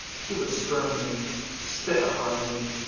He would spurn me—spit upon me.